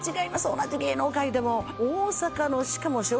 同じ芸能界でも。